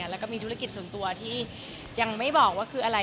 แล้วก็มีธุรกิจส่วนตัวที่ยังไม่บอกว่าคืออะไร